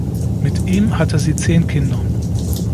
Mit ihm hatte sie zehn Kinder.